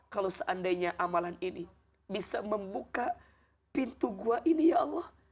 kalau seandainya amalan ini bisa membuka pintu gua ini ya allah